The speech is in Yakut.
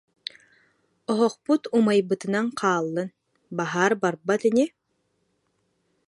Оһохпут умайбытынан хааллын, баһаар барбат ини